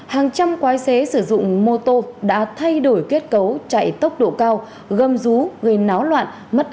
hàng trăm quái xế sử dụng mô tô đã thay đổi kết cấu chạy tốc độ cao gâm rú gây náo loạn